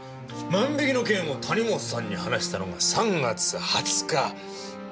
万引きの件を谷本さんに話したのが３月２０日。